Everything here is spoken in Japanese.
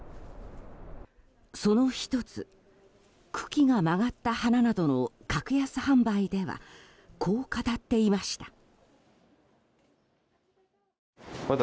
その１つ茎が曲がった花などの格安販売ではこう語っていました。